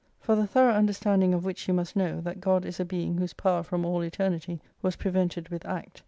For the thorough understanding of which you must know, that God is a being whose power from all Eternity was prevented with Act.